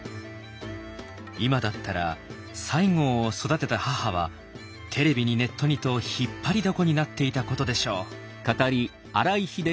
今だったら西郷を育てた母はテレビにネットにと引っ張りだこになっていたことでしょう。